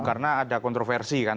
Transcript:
karena ada kontroversi kan